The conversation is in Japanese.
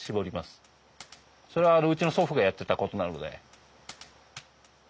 それはうちの祖父がやってた事なので。